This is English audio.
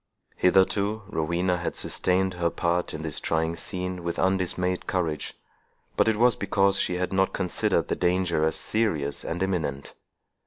Hitherto, Rowena had sustained her part in this trying scene with undismayed courage, but it was because she had not considered the danger as serious and imminent.